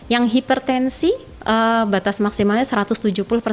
yang hipertensi tensi batas rendah sembilan puluh per enam puluh kita tidak perbolehkan untuk bekam